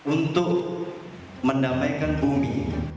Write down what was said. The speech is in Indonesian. untuk mendamaikan bumi